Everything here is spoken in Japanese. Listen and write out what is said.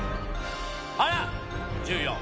はら１４。